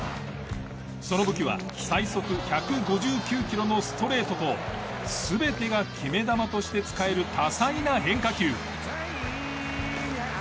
その武器は最速１５９キロのストレートと全てが決め球として使える多彩な変化球。